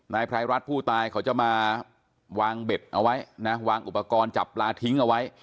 นายไพรรัฐผู้ตายเขาจะมาวางเบ็ดเอาไว้นะวางอุปกรณ์จับปลาทิ้งเอาไว้